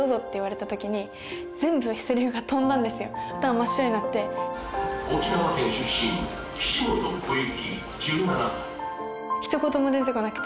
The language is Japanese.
真っ白になって沖縄県出身岸本小雪